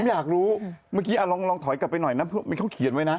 อยากรู้เมื่อกี้ลองถอยกลับไปหน่อยนะเขาเขียนไว้นะ